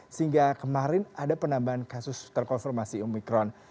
sehingga kemarin ada penambahan kasus terkonfirmasi omikron